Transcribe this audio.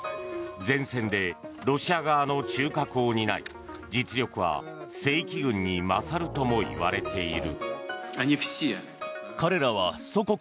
前線でロシア側の中核を担い実力は正規軍に勝るともいわれている。